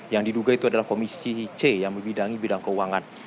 yang diduga itu adalah komisi c yang membidangi bidang keuangan